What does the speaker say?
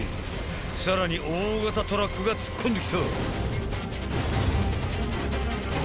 さらに大型トラックが突っ込んできた！